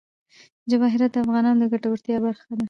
جواهرات د افغانانو د ګټورتیا برخه ده.